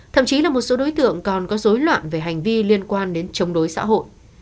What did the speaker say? thậm chí là một số đối tượng còn có dối loạn về hành vi liên quan đến chống đối xã hội